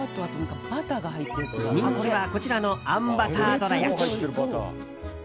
人気は、こちらのあんバターどら焼き。